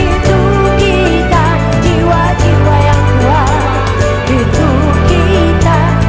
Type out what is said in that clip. itu kita manusia kuat